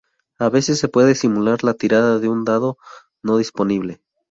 A veces se puede simular la tirada de un dado no disponible.